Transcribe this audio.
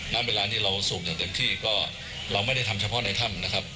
ณเวลานี้เราสูบอย่างเต็มที่ก็เราไม่ได้ทำเฉพาะในถ้ำนะครับ